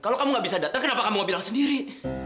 kalau kamu gak bisa datang kenapa kamu mau bilang sendiri